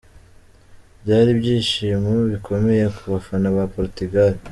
Byari byishimo bikomeye ku bafana ba Portugal